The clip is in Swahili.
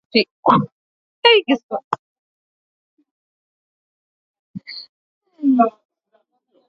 Irene Ayaa wa muunganiko wa maendeleo ya vyombo vya habari wa sudan kusini